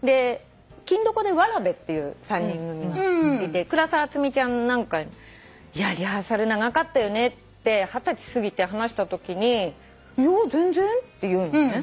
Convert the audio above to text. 『欽どこ』でわらべっていう３人組がいて倉沢淳美ちゃんなんかにリハーサル長かったよねって二十歳すぎて話したときにいや全然って言うのね。